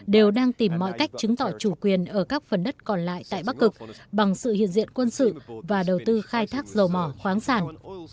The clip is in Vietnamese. đều đang tìm mọi cách chứng tỏ chủ quyền ở các phần đất còn lại tại bắc cực bằng sự hiện diện quân sự và đầu tư khai thác dầu mỏ khoáng sản